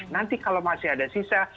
nanti kalau masih ada sisa